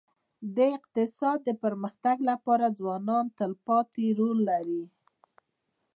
د اقتصاد د پرمختګ لپاره ځوانان تلپاتې رول لري.